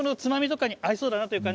つまみとか合いそうだなと思います。